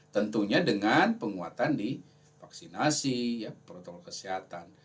tentunya dengan penguatan di vaksinasi protokol kesehatan